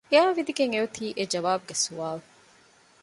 އެއާ ވިދިގެން އެ އޮތީ އެ ޖަވާބުގެ ސުވާލު